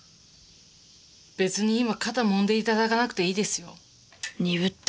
別に今肩もんで頂かなくていいですよ。